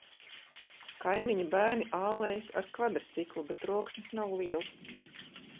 Kaimiņu bērni ālējas ar kvadriciklu, bet troksnis nav liels.